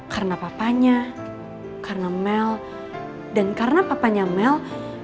karena papanya karena mel dan karena papanya mel